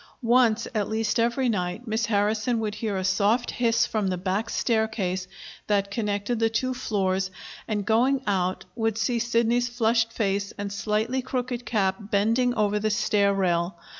Once at least every night, Miss Harrison would hear a soft hiss from the back staircase that connected the two floors, and, going out, would see Sidney's flushed face and slightly crooked cap bending over the stair rail.